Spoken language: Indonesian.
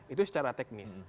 itu secara teknis